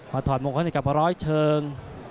ถอดมงคลให้กับร้อยเชิง